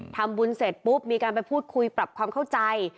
ทำบุญเสร็จปุ๊บมีการไปพูดคุยปรับความเข้าใจ